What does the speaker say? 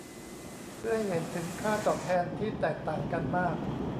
เพื่อให้เห็นถึงค่าตอบแทนที่แตกต่างกันมาก